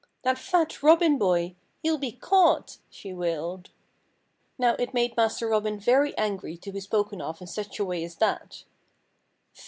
"That fat Robin boy he'll be caught!" she wailed. Now, it made Master Robin very angry to be spoken of in such a way as that.